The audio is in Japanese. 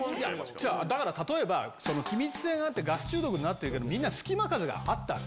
だから例えば、気密性があってガス中毒になってるけど、隙間風があったわけ。